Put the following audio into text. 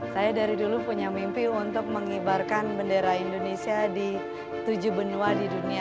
saya dari dulu punya mimpi untuk mengibarkan bendera indonesia di tujuh benua di dunia